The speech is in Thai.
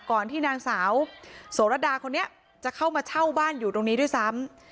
ก่อนที่นางสาวโสรดาคนนี้จะเข้ามาเช่าบ้านอยู่ตรงนี้ด้วยซ้ำ